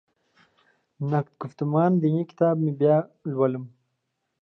نقد ګفتمان دیني کتاب مې بیا ولولم.